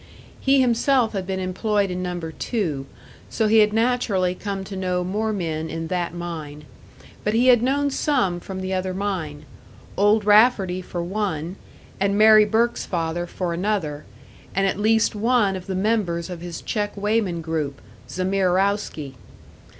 He himself had been employed in Number Two, so he had naturally come to know more men in that mine. But he had known some from the other mine Old Rafferty for one, and Mary Burke's father for another, and at least one of the members of his check weighman group Zamierowski.